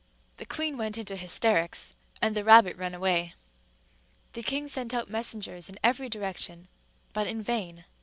The queen went into hysterics; and the rabbit ran away. The king sent out messengers in every direction, but in vain.